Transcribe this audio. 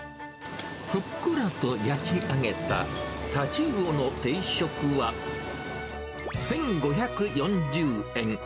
ふっくらと焼き上げたタチウオの定食は、１５４０円。